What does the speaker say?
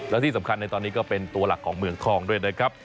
และที่สำคัญในตอนนี้ก็เป็นตัวหลักของเมืองทองด้วยนะครับ